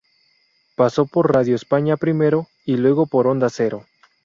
Pasó por Radio España primero y luego por Onda Cero.